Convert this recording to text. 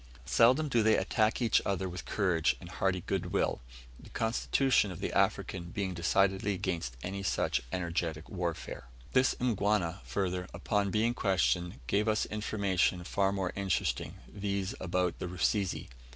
Seldom do they attack each other with courage and hearty goodwill, the constitution of the African being decidedly against any such energetic warfare. This Mgwana, further, upon being questioned, gave us information far more interesting, viz., about the Rusizi.